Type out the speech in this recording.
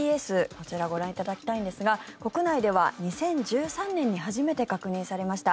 こちらご覧いただきたいんですが国内では２０１３年に初めて確認されました。